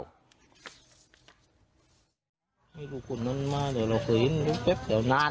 ไม่รู้คนนั้นมาเดี๋ยวเราจะพัยนี่เพียกเดี๋ยวนาน